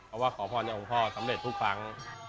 เพราะว่าขอพรในองค์พ่อสำเร็จทุกครั้ง